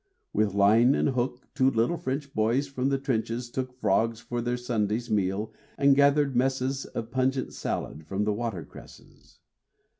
With line and hook Two little French boys from the trenches took Frogs for their Sunday meal and gathered messes Of pungent salad from the water cresses.